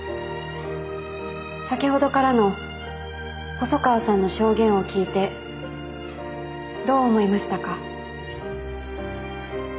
先ほどからの細川さんの証言を聞いてどう思いましたか？